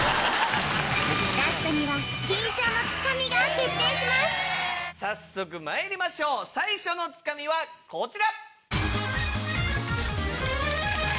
ラストには早速まいりましょう最初のツカミはこちら！